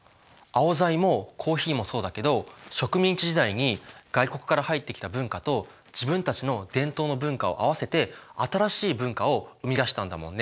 アオザイもコーヒーもそうだけど植民地時代に外国から入ってきた文化と自分たちの伝統の文化を合わせて新しい文化を生み出したんだもんね。